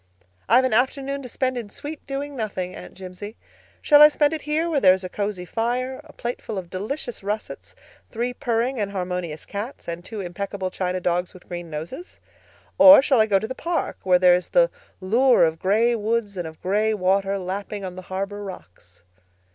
"I've an afternoon to spend in sweet doing nothing, Aunt Jimsie. Shall I spend it here where there is a cosy fire, a plateful of delicious russets, three purring and harmonious cats, and two impeccable china dogs with green noses? Or shall I go to the park, where there is the lure of gray woods and of gray water lapping on the harbor rocks?"